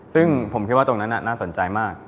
ซึ่งผมคิดว่าตรงนั้นน่าสนใจมาก